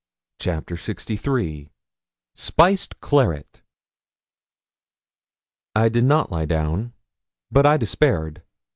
CHAPTER LXIII SPICED CLARET I did not lie down; but I despaired.